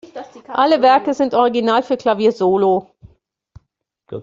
Alle Werke sind original für Klavier solo.